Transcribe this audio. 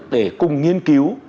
để cùng nghiên cứu